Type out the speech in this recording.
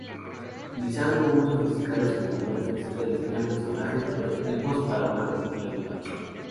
Utilizando un sofisticado simulador de física, diseñan personajes prototipos para una película animada.